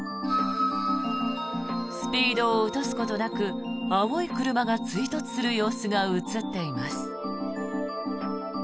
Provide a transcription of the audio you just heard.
スピードを落とすことなく青い車が追突する様子が映っています。